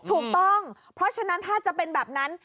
ถูกต้องเพราะฉะนั้นถ้าจะเป็นแบบนั้น